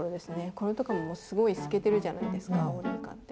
これとかももうすごい透けてるじゃないですかアオリイカって。